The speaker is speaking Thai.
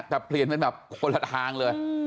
แต่เปลี่ยนเป็นแบบคนละทางเลย